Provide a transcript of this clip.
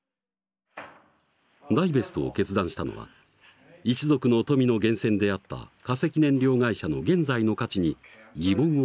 ダイベストを決断したのは一族の富の源泉であった化石燃料会社の現在の価値に疑問を感じたからだという。